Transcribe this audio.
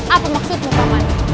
apa maksudmu paman